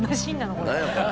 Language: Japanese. これ。